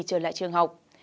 trở lại trường học